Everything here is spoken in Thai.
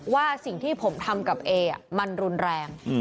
ว่าสิ่งที่ผมทำกับเอมันรุนแรง